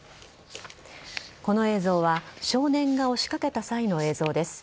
この映像は少年が押しかけた際の映像です。